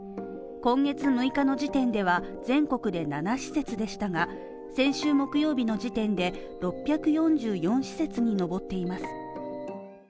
今月の６日の時点では全国で７施設でしたが、先週木曜日の時点で６４４施設に上っています。